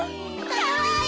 かわいい！